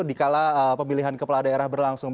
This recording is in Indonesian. dikala pemilihan kepala daerah berlangsung